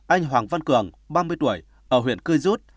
anh hoàng văn cường ba mươi tuổi ở huyện cư dút